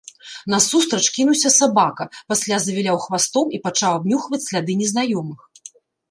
Насустрач кінуўся сабака, пасля завіляў хвастом і пачаў абнюхваць сляды незнаёмых.